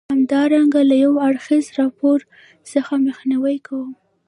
همدارنګه له یو اړخیز راپور څخه مخنیوی کوم.